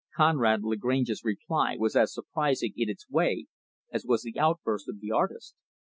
Conrad Lagrange's reply was as surprising in its way as was the outburst of the artist.